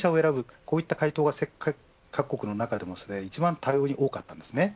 こういった回答が、各国の中でも一番多かったです。